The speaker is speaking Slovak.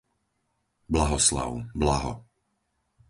Blahoslav, Blaho